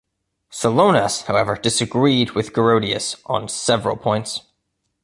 Solanas, however, disagreed with Girodias on several points.